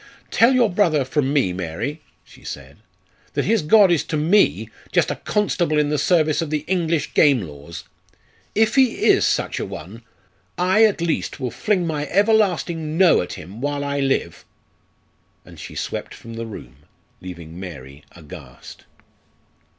"Tell your brother from me, Mary," she said, "that his God is to me just a constable in the service of the English game laws! If He is such a one, I at least will fling my Everlasting No at him while I live." And she swept from the room, leaving Mary aghast.